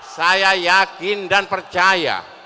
saya yakin dan percaya